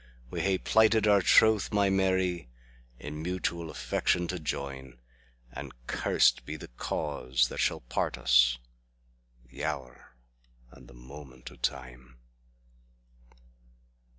We hae plighted our troth, my Mary, In mutual affection to join; And curst be the cause that shall part us! The hour and the moment o' time!